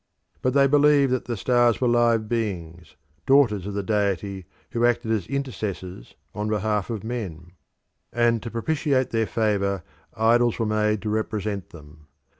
But they believed that the stars were live beings, daughters of the Deity, who acted as intercessors on behalf of men; and to propitiate their favour idols were made to represent them.